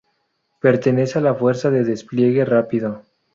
Pertenece a la Fuerza de Despliegue Rápido.